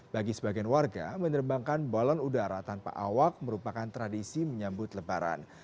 bagi sebagian warga menerbangkan balon udara tanpa awak merupakan tradisi menyambut lebaran